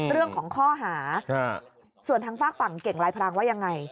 เรื่องของข้อหาส่วนทางฝากฝั่งเก่งลายพรางว่ายังไง